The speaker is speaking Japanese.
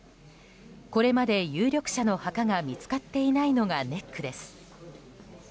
これまで有力者の墓が見つかっていないのがネックです。